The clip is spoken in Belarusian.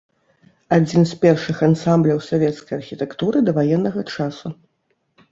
Адзін з першых ансамбляў савецкай архітэктуры даваеннага часу.